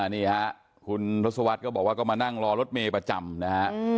นี่ฮะคุณทศวรรษก็บอกว่าก็มานั่งรอรถเมย์ประจำนะฮะ